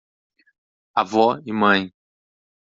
Avó e mãe